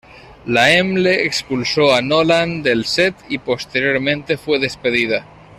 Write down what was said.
Laemmle expulsó a Nolan del set y posteriormente fue despedida.